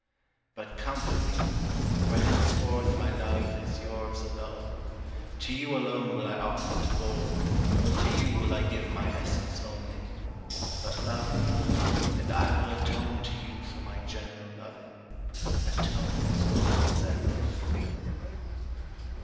But comfort me, for henceforth my love is yours alone, To you alone will I offer the bowl, to you will I give My essence only, but love me, and I will atone To you for my general loving, atone as long as I live.